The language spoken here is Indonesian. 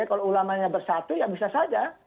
kalau ulamanya bersatu ya bisa saja